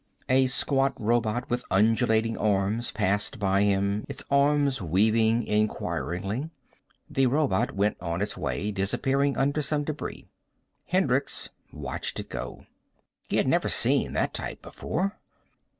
A squat robot with undulating arms passed by him, its arms weaving inquiringly. The robot went on its way, disappearing under some debris. Hendricks watched it go. He had never seen that type before.